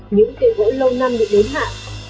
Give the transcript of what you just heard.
những tên gỗ lâu năm bị đớn hạ